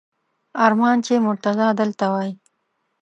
ارمان چې مرتضی دلته وای!